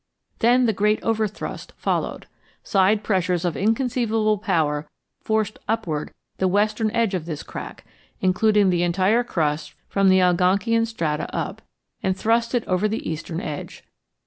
Then the great overthrust followed. Side pressures of inconceivable power forced upward the western edge of this crack, including the entire crust from the Algonkian strata up, and thrust it over the eastern edge.